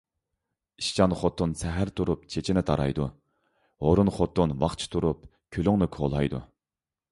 ئىشچان خوتۇن سەھەر تۇرۇپ چېچىنى تارايدۇ، ھۇرۇن خوتۇن ۋاقچە تۇرۇپ كۈلۈڭنى كولايدۇ.